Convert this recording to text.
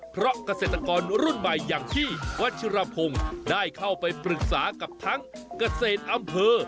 เพราะเกษตรกรรุ่นใหม่อย่างพี่วัชิรพงศ์ได้เข้าไปปรึกษากับทั้งเกษตรอำเภอ